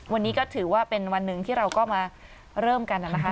วันนี้ก็ถือว่าเป็นวันหนึ่งที่เราก็มาเริ่มกันนะคะ